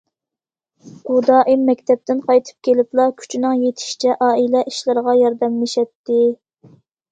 ئۇ دائىم مەكتەپتىن قايتىپ كېلىپلا كۈچىنىڭ يېتىشىچە ئائىلە ئىشلىرىغا ياردەملىشەتتى.